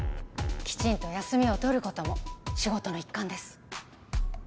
きちんと休みを取ることも仕事の一環です